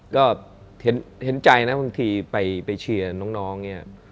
ก็เห็นใจนะบางทีไปเชียร์น้องเนี่ย